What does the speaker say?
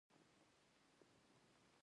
د یوه مېلمه په حیث سلوک کېدی.